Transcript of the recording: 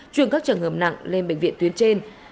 truyền các trường hợp nặng lên bệnh viện tuyến trên